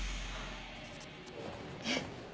えっ？